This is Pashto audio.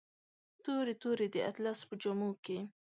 تورې، تورې د اطلسو په جامو کې